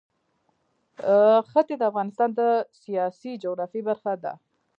ښتې د افغانستان د سیاسي جغرافیه برخه ده.